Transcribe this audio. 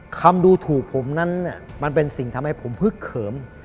คำดูถูกผมนั้นมันเป็นสิ่งทำให้ผมพึกเขิม